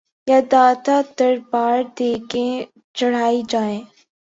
یا داتا دربار دیگیں چڑھائی جائیں؟